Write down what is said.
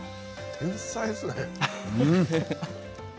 天才ですね。